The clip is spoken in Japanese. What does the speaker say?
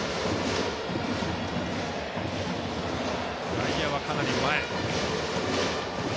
外野はかなり前。